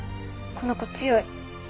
この子強い。